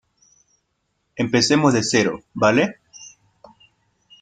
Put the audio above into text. empecemos de cero, ¿ vale?